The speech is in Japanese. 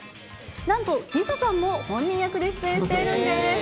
なんと、ＬｉＳＡさんも本人役で出演しているんです。